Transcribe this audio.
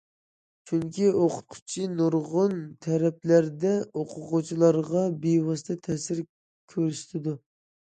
چۈنكى ئوقۇتقۇچى نۇرغۇن تەرەپلەردە ئوقۇغۇچىلارغا بىۋاسىتە تەسىر كۆرسىتىدۇ.